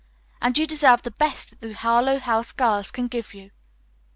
"And you deserve the best that the Harlowe House girls can give you."